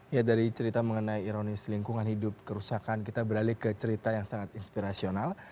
ya dari cerita mengenai ironis lingkungan hidup kerusakan kita beralih ke cerita yang sangat inspirasional